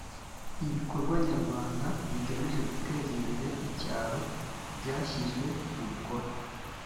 ibikorwa nyarwanda bigamije guteza imbere icyaro byashyizwe mu bikorwa